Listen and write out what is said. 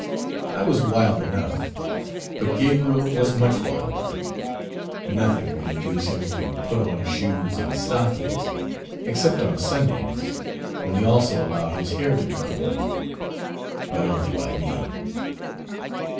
I was wild enough, but Gabriel was much wilder. Nothing would induce him to put on shoes and stockings, except on Sundays when he also allowed his hair to be combed, but only by me.